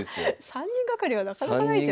３人がかりはなかなかないですよね。